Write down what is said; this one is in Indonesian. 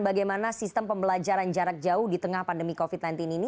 bagaimana sistem pembelajaran jarak jauh di tengah pandemi covid sembilan belas ini